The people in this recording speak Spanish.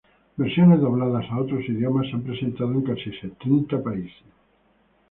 Versiones dobladas a otros idiomas se han presentado en casi setenta países.